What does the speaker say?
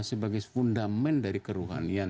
sebagai fundament dari keruhanian